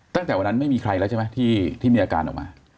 ตั้งแต่วันนี้ไม่มีใครใช่ะที่มีอาการออกมา